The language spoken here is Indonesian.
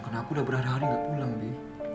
karena aku udah berada hari gak pulang bi